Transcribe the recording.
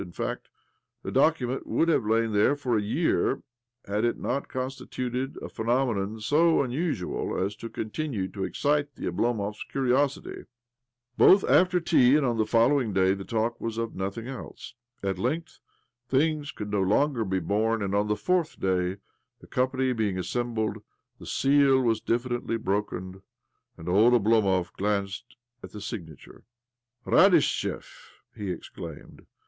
In fact, the document would have lain there for a year. OBLOMOV 143 had it not constituted a phenomenon so un usual as to continue to excite the Oblomov kans' curiosity. Both after tea and on the following day the talk was of nothing else. At length things could no longer be borne, and on the fourth day, the company being assembled, the seal was diffidently broken, and old Oblomov glanced at the signature ." Radistchev 1 " he exclaimed.